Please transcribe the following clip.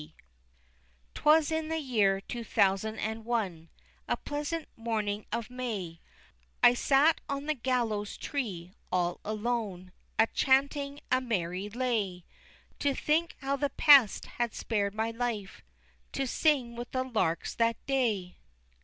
I. 'Twas in the year two thousand and one, A pleasant morning of May, I sat on the gallows tree, all alone, A channting a merry lay, To think how the pest had spared my life, To sing with the larks that day!